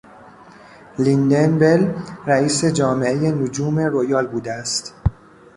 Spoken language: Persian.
لیندن بل رئیس جامعه نجوم رویال بوده است.